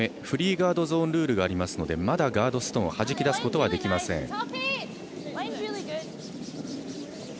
フリーガードゾーンルールがあるのでまだガードストーンをはじき出すことはできません。